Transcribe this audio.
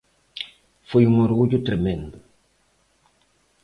Foi un orgullo tremendo.